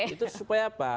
itu supaya apa